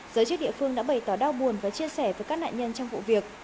giới chức địa phương đã bày tỏ đau buồn và chia sẻ với các nạn nhân trong vụ việc